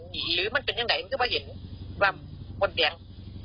หรือมันเป็นอย่างใดคือว่าเห็นแบบมดแดง